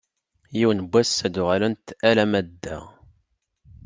Yiwen n wass ad d-uɣalent alamma d da.